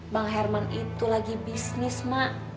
bang herman itu lagi bisnis mak